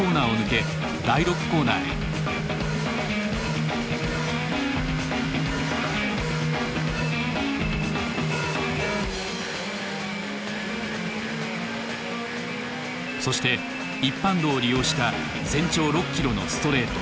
そして一般道を利用した全長６キロのストレート。